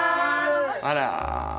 あら。